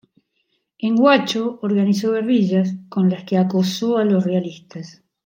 En Huacho organizó guerrillas, con las que acosó a los realistas.